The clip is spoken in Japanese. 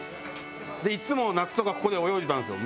いつも夏とかここで泳いでたんですよ